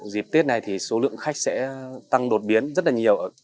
dịp tết này thì số lượng khách sẽ tăng đột biến rất là nhiều